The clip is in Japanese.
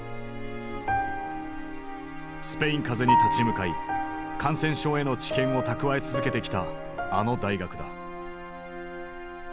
スペイン風邪に立ち向かい感染症への知見を蓄え続けてきたあの大学だ。